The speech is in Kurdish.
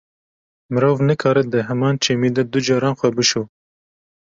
Mirov nikare di heman çemî de du caran xwe bişo.